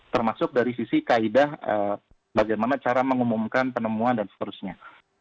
termasuk dari sisi kaidah bagaimana cara mengumumkan penemuan dan seterusnya